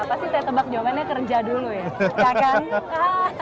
pasti saya tebak jawabannya kerja dulu ya kan